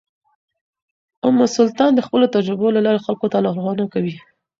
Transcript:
ام سلطان د خپلو تجربو له لارې خلکو ته لارښوونه کوي.